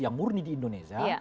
yang murni di indonesia